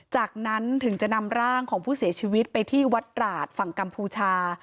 จากนั้นถึงจะนำร่างของผู้เสียชีวิตไปที่วัดตราดฝั่งกัมพูชา